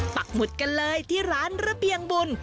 ปักหมุดกันเลยที่ร้านระเพียงบุญ